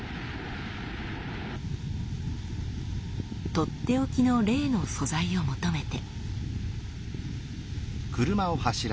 とっておきのレイの素材を求めて。